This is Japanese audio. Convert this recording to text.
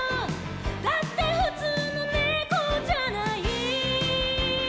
「だってふつうのねこじゃない」